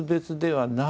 はい。